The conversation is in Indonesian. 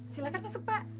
silahkan masuk pak